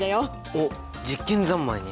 おっ実験三昧ね。